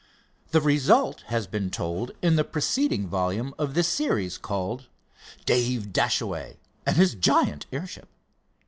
The result has been told in the preceding volume of this series called, "Dave Dashaway and His Giant Airship."